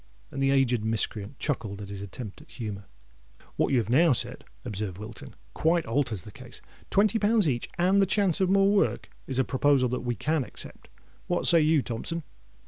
And the aged miscreant chuckled at his attempt at humour. "What you have now said," observed Wilton, "quite alters the case. Twenty pounds each, and the chance of more work, is a proposal that we can accept. What say you, Thompson?"